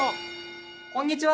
こんにちは。